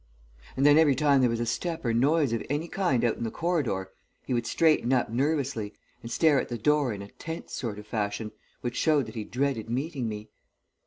_' And then every time there was a step or noise of any kind out in the corridor, he would straighten up nervously and stare at the door in a tense sort of fashion which showed that he dreaded meeting me.